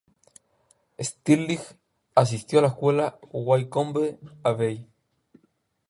Stirling asistió a la escuela Wycombe Abbey.